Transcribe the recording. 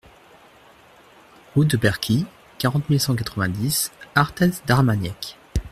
Route de Perquie, quarante mille cent quatre-vingt-dix Arthez-d'Armagnac